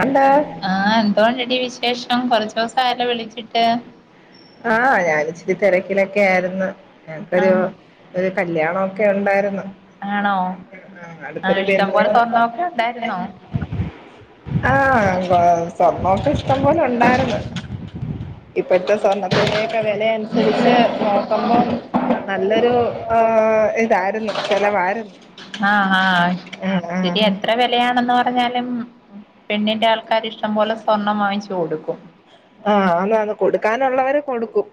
എന്താ ആഹ് എന്തോണടി വിശേഷം കൊറച്ച് ദിവസം ആയല്ലോ വിളിച്ചിട്ട് ആഹ് ഞാൻ ഇച്ചിരി തിരക്കിലൊക്കെ ആയിരുന്നു ഞങ്ങക്കൊരു ആഹ് ഒരു കല്യാണം ഒക്കെ ഉണ്ടായിരുന്നു ആണോ ആഹ് അടുത്തൊരു ഇഷ്ടം ബന്ധുവിന്റെ പോലെ സ്വർണ്ണൊക്കെ ഉണ്ടായിരുന്നോ ആഹ് സ്വർണം ഒക്കെ ഇഷ്ടം പോലെ ഉണ്ടായിരുന്നു ഇപ്പഴത്തെ സ്വർണത്തിന്റക്കെ വിലയനുസരിച്ച് നോക്കുമ്പം നല്ലൊരു ആ ഇതായിരുന്നു ചെലവായിരുന്നു ആഹ് ആഹ് ശരി ആഹ്ആഹ് എത്ര വിലയാണെന്ന് പറഞ്ഞാലും പെണ്ണിന്റെ ആൾക്കാർ ഇഷ്ടം പോലെ സ്വർണ്ണം വാങ്ങിച്ചു കൊടുക്കും ആഹ് അന്ന്ന്ന് കൊടുക്കാനുള്ള വര് കൊടുക്കും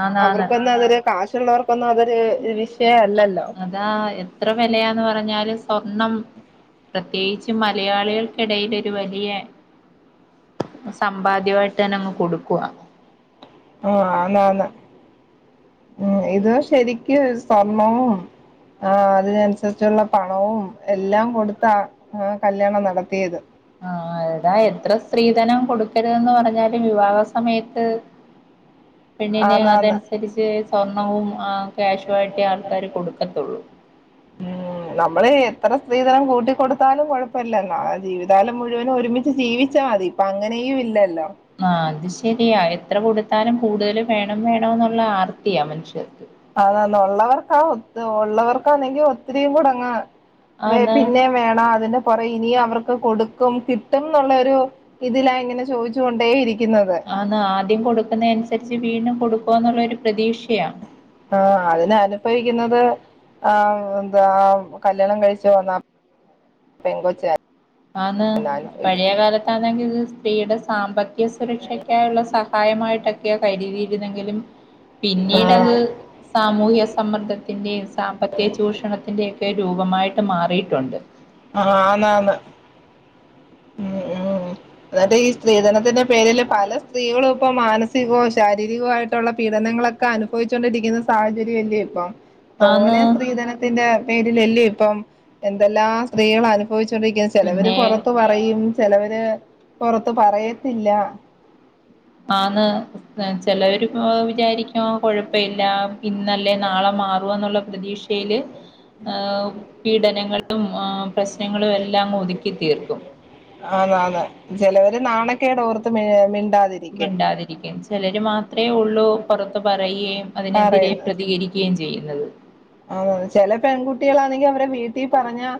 ആന്നാന്ന് അവർക്കൊന്നും അതൊരു കാശുള്ളവർക്കൊന്നും അതൊരു വിഷയം അല്ലല്ലോ താ എത്ര വിലയാന്ന് പറഞ്ഞാലും സ്വർണം പ്രത്യേകിച്ച് മലയാളികൾക്കിടയിൽ ഒരു വലിയ സമ്പാദ്യമായിട്ട് തന്നെ അങ്ങ് കൊടുക്കുവാ ആഹ് ആന്ന്ആന്ന് ഉം ഇത് ശരിക്കും സ്വർണവും ആ അതിന് അനുസരിച്ചുള്ള പണവും എല്ലാം കൊടുത്താ ആ കല്യാണം നടത്തിയത് ആഹ് എടാ എത്ര സ്ത്രീധനം കൊടുക്കരുതന്ന് പറഞ്ഞാലും വിവാഹ സമയത്ത് പെണ്ണിന് ആന്നാന്ന് അതനുസരിച്ച് സ്വർണവും ആ ക്യാഷുവായിട്ടേ ആൾക്കാര് കൊടുക്കത്തൊള്ളൂ ഉം നമ്മള് എത്ര സ്ത്രീധനം കൂട്ടി കൊടുത്താലും കൊഴപ്പല്ലല്ലൊ ജീവിതകാലം മുഴുവനും ഒരുമിച്ച് ജീവിച്ചാ മതി ഇപ്പ അങ്ങനെയും ഇല്ലല്ലോ ആഹ് അത് ശരിയാ എത്ര കൊടുത്താലും കൂടുതൽ വേണം വേണം എന്നുള്ള ആർത്തിയാ മനുഷ്യർക്ക് അതാന്ന ഉള്ളവർക്കാ ഒത് ഉള്ളവർക്കാണെങ്കിൽ ഒത്തിരിയും കൂടങ്ങ് ആന്ന് പിന്നെ വേണ അതിന്റെ പുറേ ഇനിയും അവർക്ക് കൊടുക്കും കിട്ടുംന്നൊള്ളരു ഇതിലാ ഇങ്ങനെ ചോയിച്ചു കൊണ്ടേ ഇരിക്കുന്നത് അന്ന് ആദ്യം കൊടുക്കുന്നെ അനുസരിച്ച് വീണ്ടും കൊടുക്കും എന്നുള്ളരു പ്രതീക്ഷയാ ആഹ് അതിന് അനുഭവിക്കുന്നത് ആ എന്താ കല്യാണം കഴിച്ചു വന്നാ പെങ്കോച്ചാ ആന്ന് പഴയ കാലത്താണെങ്കി ഇത് സ്ത്രീയുടെ സാമ്പത്തിക സുരക്ഷയ്ക്കായുള്ള സ ഹായ മായിട്ടൊക്കെ കരുതിയിരുന്നെങ്കിലും പിന്നീട് അത് ആഹ് സാമൂഹ്യ സമ്മർദ്ദത്തിന്റെയും സാമ്പത്തിക ചൂഷണത്തിന്റെക്കെ രൂപമായിട്ട് മാറിയിട്ടുണ്ട് ആഹ് ആന്ന് ആന്ന് ഉം ഉം എന്നിട്ട് ഈ സ്ത്രീധനത്തിന്റെ പേരില് പല സ്ത്രീകളും ഇപ്പൊ മാനസികോ ശാരീരികോ ആയിട്ടുള്ള പീഡനങ്ങളൊക്കെ അനുഭവിച്ചോണ്ടിരിക്കുന്ന സാഹചര്യംല്ലേ ഇപ്പം തോനെ ആന്ന് സ്ത്രീധനം ത്തിന്റെ പേരിലല്ലേ ഇപ്പം എന്തെല്ലാം സ്ത്രീകള് അനുഭവിച്ചൊണ്ടിരിക്കുന്നു ചിലവര് പിന്നെ പൊറ ത്ത് പറയും ചെലവര് പുറത്ത് പറയത്തില്ല ആന്ന് ചിലവരിപ്പൊ വിചാരിക്കോ കൊഴപ്പല്ല ഇന്നല്ലേ നാളെ മാറോന്നുള്ള പ്രതീക്ഷയില് പീഡനങ്ങളും പ്രശ്നങ്ങളും എല്ലാം ഒതുക്കി തീർക്കും ആന്ന് ആന്ന് ചിലവര് നാണക്കേടോർത്ത് മ മിണ്ടാതിരിക്കും മിണ്ടാതിരിക്കും ചിലര് മാത്രേ ഉള്ളൂ പുറത്ത് പറയുകയും അതിനെതിരെ പറയുന്നത് പ്രതികരിക്കുകയും ചെയ്യുന്നത് ആഹ് ചെല പെൺകുട്ടികളാണെങ്കി അവരെ വീട്ടിൽ പറഞ്ഞാ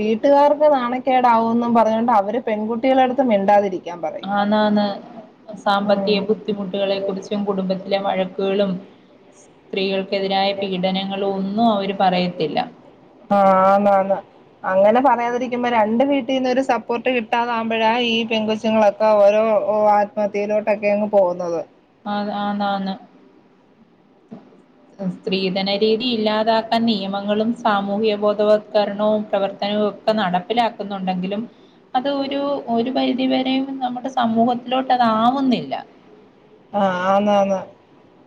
വീട്ടുകാർക്ക് നാണക്കേടാവുന്നും പറഞ്ഞുകൊണ്ട് അവര് പെൺകു കുട്ടികളടുത്ത് മിണ്ടാതിരിക്കാൻ പറയും ആന്നാന്ന് സാമ്പത്തിക ആഹ് ബുദ്ധിമുട്ടുകളെ കുറിച്ചും കുടുംബത്തിലെ വഴക്കുകളും സ്ത്രീകൾ എതിരായ പീഡനങ്ങളും ഒന്നും അവര് പറയത്തില്ല ആന്നന്ന് അങ്ങനെ പറയാതിരിക്കുമ്പോ രണ്ട് വീട്ടിന്നും ഒരു സപ്പോർട്ട് കിട്ടാതമ്പയ ഈ പെങ്കോച്ചുങ്ങളൊ ക്കെ ഓരോ ആത്മഹത്യയിലോട്ടൊക്കെയങ്ങ് പോന്നത് അത് അന്നന്ന് സ്ത്രീധനരീതി ഇല്ലാതാക്കാൻ നിയമങ്ങളും സാമൂഹിക ബോധവത്കരണവും പ്രവർത്തനവും ഒക്കെ നടപ്പിലാക്കുന്നുണ്ടെങ്കിലും അത് ഒരു ഒരു പരിധി വരെയും നമ്മുടെ സമൂഹത്തിലോട്ട് അതാവുന്നില്ല ആന്ന് ആന്ന്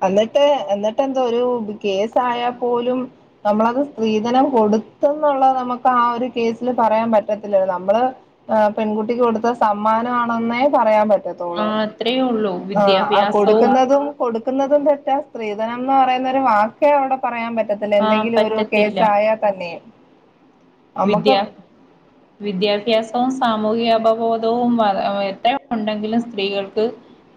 അന്നിട്ട് എന്നിട്ട് എന്തോരു കേസായാൽ പോലും നമ്മളത് സ്ത്രീധനം കൊടുത്തന്നുള്ളത് നമുക്ക് ആ ഒരു കേസില് പറയാൻ പറ്റത്തില്ല നമ്മള് ആഹ് പെൺകുട്ടിക്ക് കൊടുത്ത സമ്മാനാണെന്നേ പറയാൻ പറ്റ ആ തോളു അത്രയേ ഉള്ളൂ ആഹ് ആ വിദ്യാഭ്യാസവും കൊടുക്കുന്ന തും കൊടുക്കുന്നതും തെറ്റാ സ്ത്രീധനം എന്ന് പറയുന്ന ഒരു വ ക്കെ അവിടെ പറയാൻ പറ്റത്തില്ല ആ എന്തെങ്കിലും ഒരു പറ്റത്തില്ല കേസായാൽ തന്നെയും വിദ്യ വിദ്യാഭ്യാസോം സാമൂഹിക അപബോധവും വള എത്ര ഉണ്ടെങ്കിലും സ്ത്രീകൾക്ക്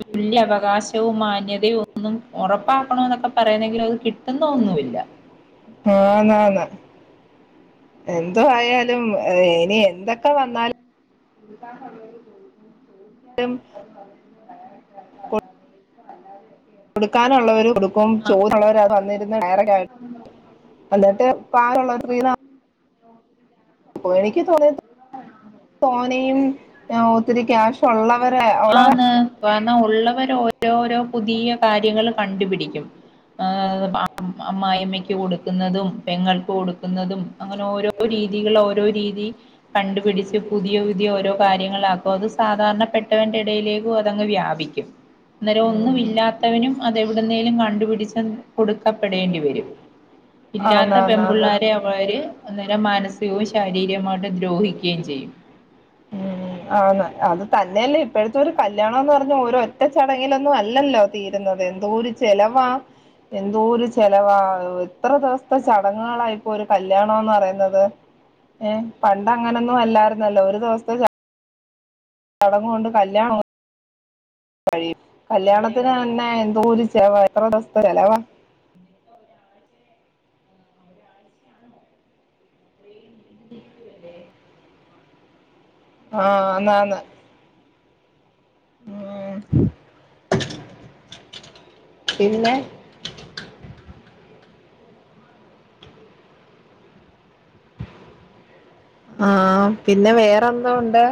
തുല്യവകാശവും മാന്യതയും ഒന്നും ഒറപ്പാക്കണോ എന്നൊക്കെ പറയുന്നെങ്കിലും അത് കിട്ടുന്ന ഒന്നുഇല്ല ആന്നന്ന് എന്തോ ആയാലും അഹ് ഇനി എന്തൊക്കെ വന്നാലും എന്താ പറഞ്ഞെന്ന് ചോയിക്കണം ചോയിക്കാൻ [unintelligible] കൊടുക്കാനുള്ളവര് കൊടുക്കും ആ ചോന്നുള്ളവര് അത് വന്നിരുന്ന് ഡയറക്റ്റയിട്ട് അന്നിട്ട് പാലുള്ളവര് റിന്ന ഓഹ് എനിക്ക് തോന്നിയത് തോനെയും ഒത്തിരി ക്യാഷ്ഒള്ളവരെ ഒള്ളവരെ വാന്ന ഉള്ളവര് ഓരോരോ പുതിയ കാര്യങ്ങൾ കണ്ടുപിടിക്കുംആഹ് അമ്മായിമ്മയ്ക്ക് കൊടുക്കുന്നതും പെങ്ങൾക്ക് കൊടുക്കുന്നതും അങ്ങനെ ഓരോ രീതികൾ ഓരോ രീതി കണ്ടുപിടിച്ച് പുതിയ പുതിയ ഓരോ കാര്യങ്ങളാക്കും അപ്പൊ അത് സാധാരണപ്പെട്ടവന്റെ ഇടയിലേക്കും അതങ്ങ് വ്യാപിക്കും അന്നേരം ഒന്നും ഇല്ലാത്തവനും അതെ എവിടുന്നേലും കണ്ടുപിടിച്ച കൊടുക്കപ്പെടേണ്ടി വരും ആന്ന് ഇല്ലാത്ത ആന്ന് ആന്ന് പെമ്പിള്ളാരെ അവര് അന്നേരം മാനസികവും ശാരീരികമായിട്ട് ദ്രോഹിക്കുകയും ചെയ്യും ഉം, ആന്ന് അത് തന്നെയല്ലേ ഇപ്പഴ്ത്തോരു കല്യാണം എന്ന് പറഞ്ഞ ഓരോ ഒറ്റ ചടങ്ങിലൊന്നും അല്ലല്ലോ തീരുന്നത് എന്തോരു ചെലവാ ആ എന്തോരു ചെലവാ എത്ര ദിവസ്ത്തെ ചടങ്ങുകളാഇപ്പോ ഒരു കല്യാണോന്ന് പറയുന്നത് ഏഹ് പണ്ട് അങ്ങനൊന്നും അല്ലാരുന്നല്ലോ ഒരു ദിവസ്ത്തെ ചടങ്ങു ഉണ്ട് കല്യാണോം കഴിയും കല്യാണത്തിന് തന്നെ എന്തോരുച്ചവാ എത്ര ദിവസത്തെ ചെലവാ ഇങ്ങു വരെ ആഹ് അന്നാന്ന് ഉം പിന്നെ ആഹ് പിന്നെ വേറെന്തോ ഉണ്ട്